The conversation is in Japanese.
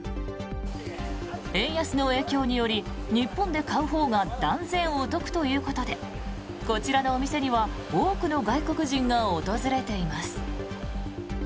円安の影響により日本で買うほうが断然お得ということでこちらのお店には多くの外国人が訪れています。